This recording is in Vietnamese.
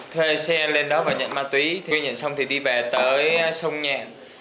khi em lên đó và nhận ma túy khi nhận xong thì đi về tới sông nhạn